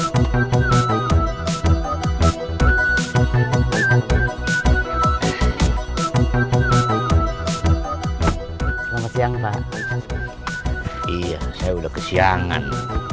selamat siang mbak iya saya udah kesiangan